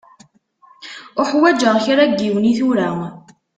Uḥwaǧeɣ kra n yiwen i tura.